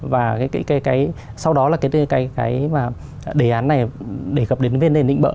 và sau đó là cái đề án này để gặp đến vấn đề nịnh bỡ